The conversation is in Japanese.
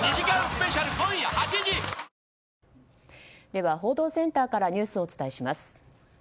では報道センターからニュースをお伝えします。